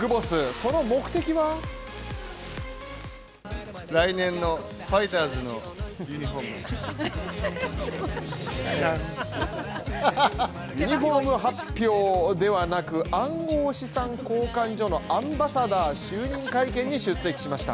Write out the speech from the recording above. その目的は来年のファイターズのユニフォームの発表ではなく暗号資産交換所のアンバサダー就任会見に出席しました。